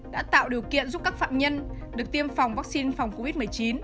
đã tạo điều kiện giúp các phạm nhân được tiêm phòng vaccine phòng covid một mươi chín